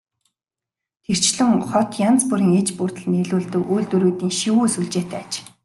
Тэрчлэн хот янз бүрийн иж бүрдэл нийлүүлдэг үйлдвэрүүдийн шигүү сүлжээтэй аж.